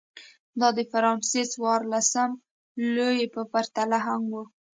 دا د فرانسې څوارلسم لويي په پرتله هم و.